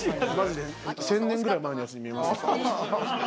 １０００年くらい前のやつに見えます。